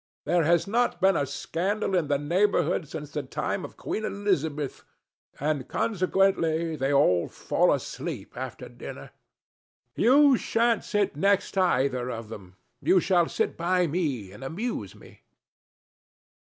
There has not been a scandal in the neighbourhood since the time of Queen Elizabeth, and consequently they all fall asleep after dinner. You shan't sit next either of them. You shall sit by me and amuse me."